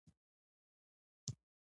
امنیت د اقتصاد لپاره اړین دی.